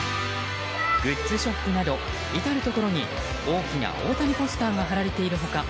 グッズショップなど至るところに大きな大谷ポスターが貼られている他